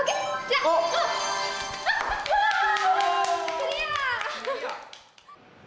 クリア！